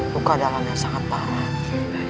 luka dalamnya sangat parah